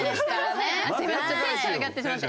テンション上がってしまって。